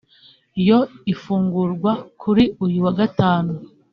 yo ifungurwa kuri uyu wa Gatanu